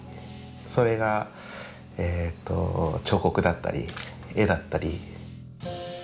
それが彫刻だったり絵だったり。